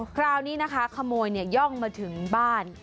คราวนี้นะคะขโมยย่องมาถึงบ้าน